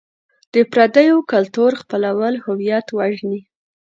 د پردیو کلتور خپلول هویت وژني.